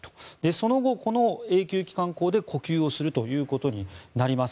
その後、この永久気管孔で呼吸をすることになります。